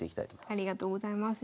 ありがとうございます。